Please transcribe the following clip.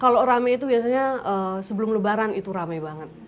kalau rame itu biasanya sebelum lebaran itu rame banget